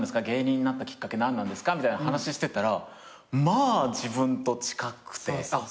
芸人になったきっかけ何なんですかみたいな話してたらまあ自分と近くて。